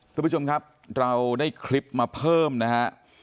คุณผู้ชมครับเราได้คลิปมาเพิ่มนะฮะ